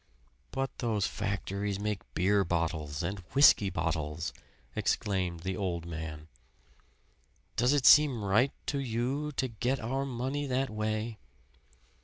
"But those factories make beer bottles and whisky bottles!" exclaimed the old man. "Does it seem right to you to get our money that way?"